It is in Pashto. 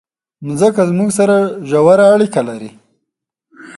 مځکه زموږ سره ژوره اړیکه لري.